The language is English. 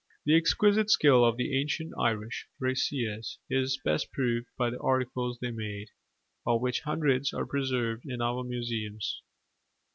The exquisite skill of the ancient Irish brasiers is best proved by the articles they made, of which hundreds are preserved in our museums.